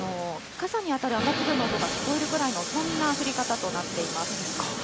傘に当たる雨粒の音が聞こえるぐらいの、そんな降り方となっています。